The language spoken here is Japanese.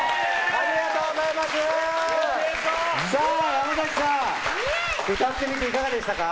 山崎さん歌ってみていかがでしたか。